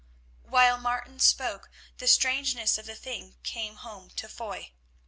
While Martin spoke the strangeness of the thing came home to Foy.